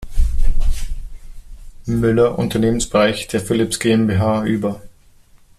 Müller Unternehmensbereich der Philips GmbH“ über.